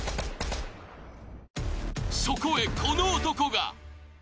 そこへこの男が。